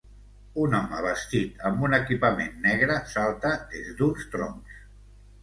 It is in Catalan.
Un home vestit amb un equipament negre salta des d'uns troncs